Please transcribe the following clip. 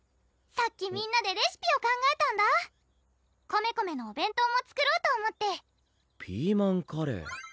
さっきみんなでレシピを考えたんだコメコメのお弁当も作ろうと思ってピーマンカレー？